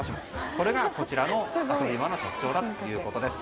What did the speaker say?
これがこちらの遊び場の特徴ということです。